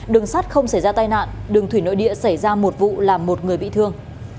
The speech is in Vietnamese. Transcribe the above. đường sắt không xảy ra tai nạn đường thủy nội địa xảy ra một vụ làm một người bị thương